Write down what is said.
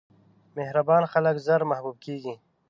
مهربان خلک ژر محبوب کېږي.